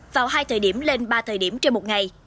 vào hai thời điểm lên ba thời điểm trên một ngày